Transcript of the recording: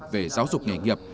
về giáo dục nghề nghiệp